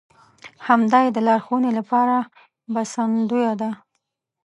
همدا يې د لارښوونې لپاره بسندويه ده.